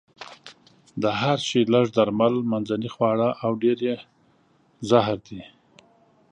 د هر شي لږ درمل، منځنۍ خواړه او ډېر يې زهر دي.